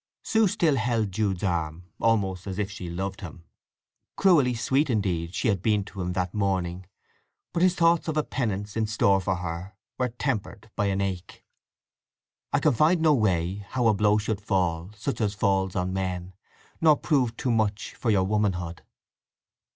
Sue still held Jude's arm, almost as if she loved him. Cruelly sweet, indeed, she had been to him that morning; but his thoughts of a penance in store for her were tempered by an ache: … I can find no way How a blow should fall, such as falls on men, Nor prove too much for your womanhood!